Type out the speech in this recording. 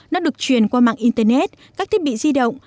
nó được truyền qua mạng internet các thiết bị di động